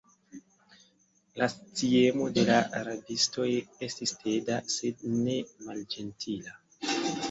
La sciemo de la rabistoj estis teda, sed ne malĝentila.